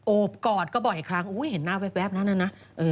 โอบกอดก็บอกอีกครั้งอุ้ยเห็นหน้าแวบนั้นแล้วนะ